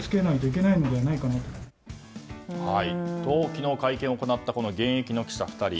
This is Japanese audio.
昨日会見を行った現役の記者２人。